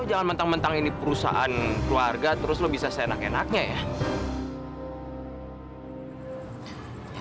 lo jangan mentang mentangin di perusahaan keluarga terus lo bisa senang enaknya ya